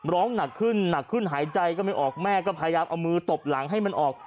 ร้องหนักขึ้นหนักขึ้นหายใจก็ไม่ออกแม่ก็พยายามเอามือตบหลังให้มันออก